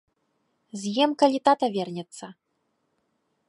З'ем, калі тата вернецца.